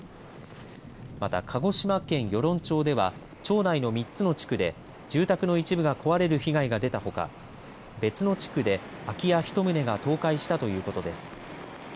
また、鹿児島県与論町では町内の３つの地区で住宅の一部が壊れる被害が出たほか別の地区で空き家ひと棟が倒壊したということです。